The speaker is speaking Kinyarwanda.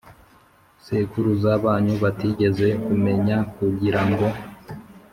Sekuruza banyu batigeze kumenya kugira ngo